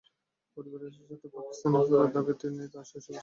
পরিবারের সাথে পাকিস্তানে ফেরার আগে তিনি তার শৈশবের বছরগুলো সেখানেই কাটিয়েছিলেন।